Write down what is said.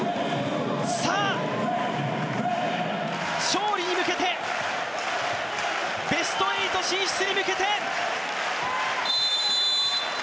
勝利に向けてベスト８進出に向けて。